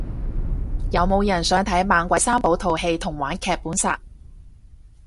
有冇人想睇猛鬼三寶套戲同玩劇本殺